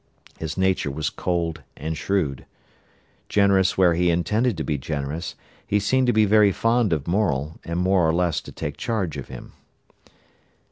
His nature was cold and shrewd. Generous where he intended to be generous, he seemed to be very fond of Morel, and more or less to take charge of him.